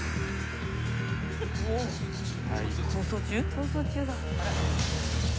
『逃走中』だ。